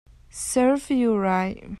Serves you right